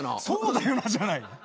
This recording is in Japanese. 「そうだよな」じゃない！